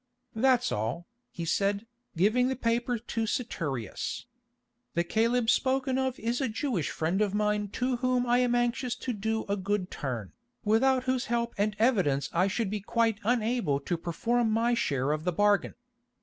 "That's all," he said, giving the paper to Saturius. "The Caleb spoken of is a Jewish friend of mine to whom I am anxious to do a good turn, without whose help and evidence I should be quite unable to perform my share of the bargain.